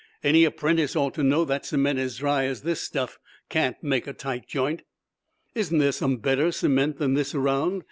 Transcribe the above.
Any apprentice ought to know that cement as dry as this stuff can't make a tight joint." "Isn't there some better cement than this around?"